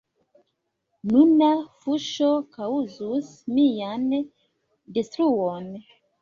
Nuna fuŝo kaŭzus nian detruon.